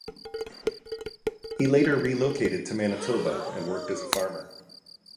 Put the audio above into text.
He later relocated to Manitoba, and worked as a farmer.